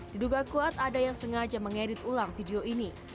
diduga kuat ada yang sengaja mengedit ulang video ini